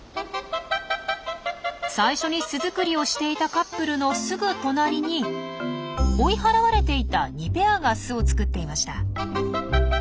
最初に巣作りをしていたカップルのすぐ隣に追い払われていた２ペアが巣を作っていました。